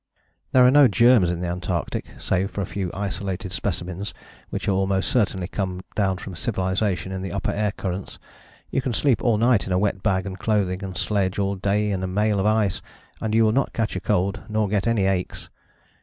" There are no germs in the Antarctic, save for a few isolated specimens which almost certainly come down from civilization in the upper air currents. You can sleep all night in a wet bag and clothing, and sledge all day in a mail of ice, and you will not catch a cold nor get any aches.